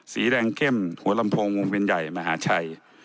สีแดงเข้มหัวลำโพงวงเวียนใหญ่มหาชัย